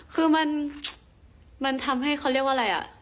คือมันทำให้เขาเรียกว่าอะไรอ่ะ